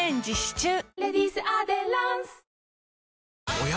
おや？